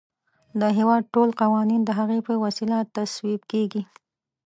د هیواد ټول قوانین د هغې په وسیله تصویب کیږي.